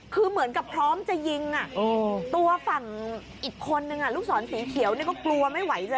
คือเหมือนกับพร้อมจะยิงตัวฝั่งอีกคนนึงลูกศรสีเขียวนี่ก็กลัวไม่ไหวเลย